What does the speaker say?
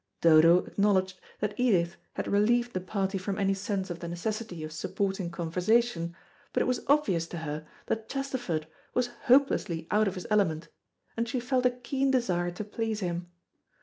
Dodo acknowledged that Edith had relieved the party from any sense of the necessity of supporting conversation, but it was obvious to her that Chesterford was hopelessly out of his element, and she felt a keen desire to please him.